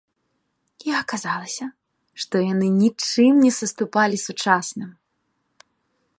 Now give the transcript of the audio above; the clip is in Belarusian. І аказалася, што яны нічым не саступалі сучасным.